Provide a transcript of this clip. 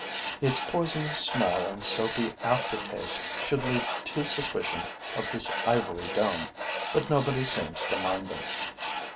Its poisonous smell and soapy aftertaste should lead to suspicion of this ivory dome; but nobody seems to mind them.